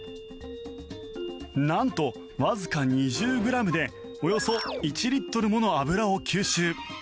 なんとわずか２０ｇでおよそ１リットルもの油を吸収。